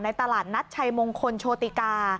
ตลาดนัดชัยมงคลโชติกา